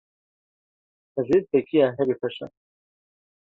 Hejîr fêkiya herî xweş e.